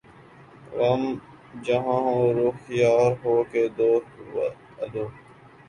غم جہاں ہو رخ یار ہو کہ دست عدو